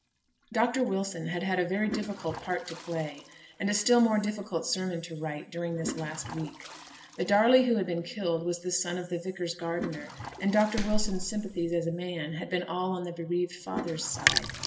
Dr Wilson had had a very difficult part to play, and a still more difficult sermon to write, during this last week. The Darley who had been killed was the son of the vicar's gardener, and Dr Wilson's sympathies as a man had been all on the bereaved father's side.